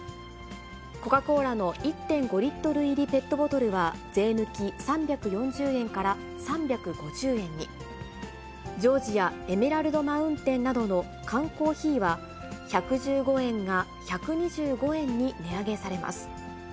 コカ・コーラの１．５リットル入りペットボトルは税抜き３４０円から３５０円に、ジョージアエメラルドマウンテンなどの缶コーヒーは、１１５円が１２５円に値上げされます。